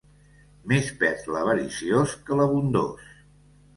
Més perd l'avariciós que l'abundós.